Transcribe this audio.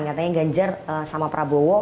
katanya ganjar sama prabowo